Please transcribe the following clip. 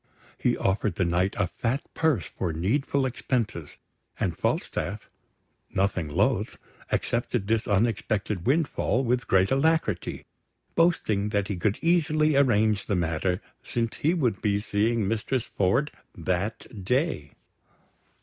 He offered the Knight a fat purse for needful expenses; and Falstaff, nothing loath, accepted this unexpected windfall with great alacrity, boasting that he could easily arrange the matter, since he would be seeing Mistress Ford that day.